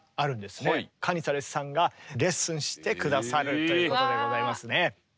カニサレスさんがレッスンして下さるということでございますね。